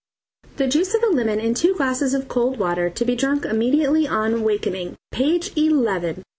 "The juice of a lemon in two glasses of cold water, to be drunk immediately on wakening!" Page eleven!